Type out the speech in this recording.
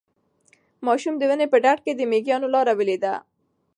ماشوم د ونې په ډډ کې د مېږیانو لاره ولیده.